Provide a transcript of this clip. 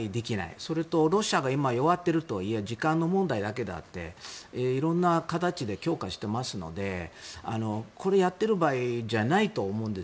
それとロシアが今、弱っているとはいえ時間の問題で色んな形で強化していますのでこれをやっている場合じゃないと思うんです。